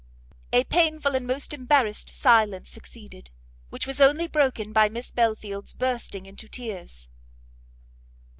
A painful and most embarrassed silence succeeded, which was only broken by Miss Belfield's bursting into tears.